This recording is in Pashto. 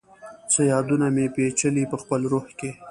څه یادونه مي، پیچلي پخپل روح کي